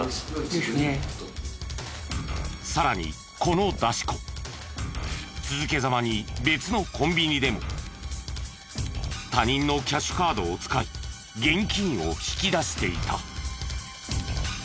さらにこの出し子続けざまに別のコンビニでも他人のキャッシュカードを使い現金を引き出していた。